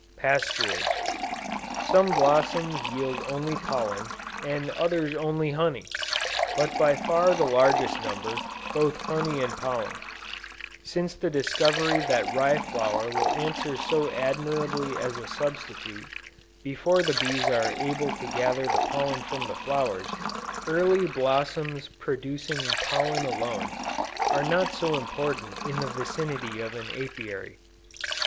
PASTURAGE. Some blossoms yield only pollen, and others only honey; but by far the largest number, both honey and pollen. Since the discovery that rye flour will answer so admirably as a substitute, before the bees are able to gather the pollen from the flowers, early blossoms producing pollen alone, are not so important in the vicinity of an Apiary.